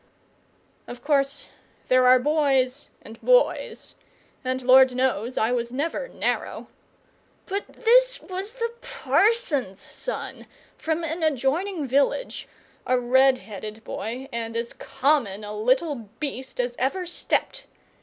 Of course there are boys and boys, and Lord knows I was never narrow. But this was the parson's son from an adjoining village, a red headed boy and as common a little beast as ever stepped.